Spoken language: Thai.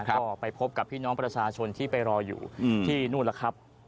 ก็ไปพบกับพี่น้องประชาชนที่ไปรออยู่ที่นู่นแล้วครับ